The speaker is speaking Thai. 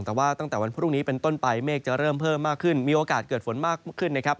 แต่ว่าตั้งแต่วันพรุ่งนี้เป็นต้นไปเมฆจะเริ่มเพิ่มมากขึ้นมีโอกาสเกิดฝนมากขึ้นนะครับ